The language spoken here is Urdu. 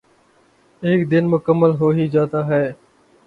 ایک دن مکمل ہو ہی جاتا یے